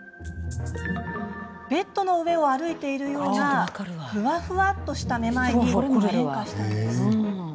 ベッドの上を歩いているようなフワフワっとしためまいに変化したんです。